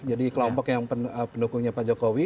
kelompok yang pendukungnya pak jokowi